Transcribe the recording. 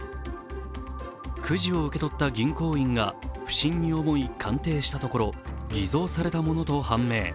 くじを受け取った銀行員が不審に思い鑑定したところ偽造されたものと判明。